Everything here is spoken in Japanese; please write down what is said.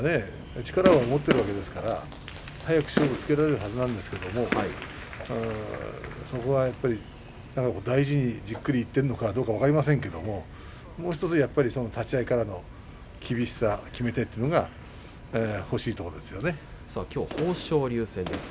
力は持っているわけですから早く勝負がつけられるはずなんですけれどそこはやっぱり大事にじっくりいっているのかどうか分かりませんけれど、１つ立ち合いからの厳しさ決め手というのが欲しいところですよね。